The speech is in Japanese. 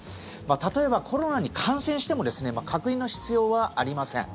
例えばコロナに感染しても隔離の必要はありません。